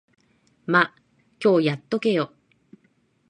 ま、今日やっとけよ。